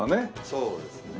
そうですね。